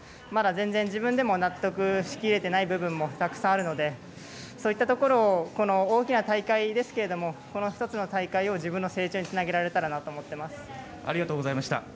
まだ全然、自分でも納得しきれていない部分もたくさんあるのでそういったところを大きな大会ですがこの１つの大会を自分の成長にありがとうございました。